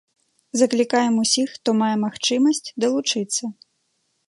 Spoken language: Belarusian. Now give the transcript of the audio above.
Заклікаем усіх, хто мае магчымасць, далучыцца.